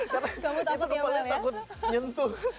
karena itu kepala saya takut nyentuh